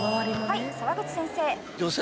はい澤口先生。